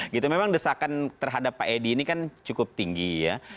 gitu memang desakan terhadap pak edi ini kan cukup tinggi ya